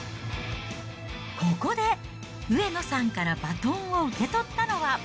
ここで上野さんからバトンを受け取ったのは。